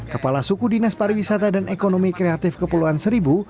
kepala suku dinas pariwisata dan ekonomi kreatif kepulauan seribu